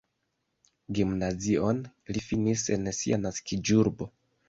Gimnazion li finis en sia naskiĝurbo.